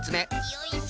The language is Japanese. よいしょ。